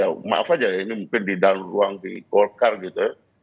ya maaf aja ini mungkin di dalam ruang di golkar gitu ya